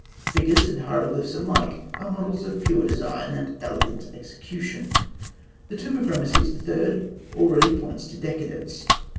figures and hieroglyphs alike are models of pure design and elegant execution. The tomb of Rameses III. already points to decadence.